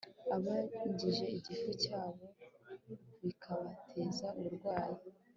Abangije igifu cyabo bikabateza uburwayi